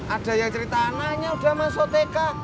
ada yang cerita anaknya udah masuk tk